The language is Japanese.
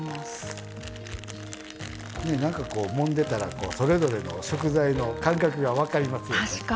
もんでいたらそれぞれの食材の感覚が分かりますよね。